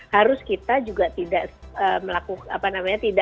harus kita juga tidak melakukan